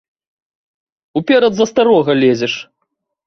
Уперад за старога лезеш!